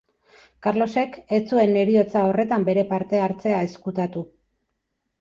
Karlosek ez zuen heriotza horretan bere parte-hartzea ezkutatu.